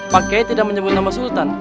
pak kiai tidak menyebut nama sultan